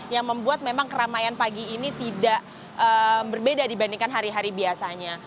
yang membuat memang keramaian pagi ini tidak berbeda dibandingkan hari hari biasanya